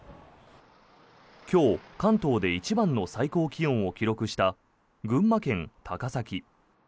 今日、関東で一番の最高気温を記録した群馬県高崎。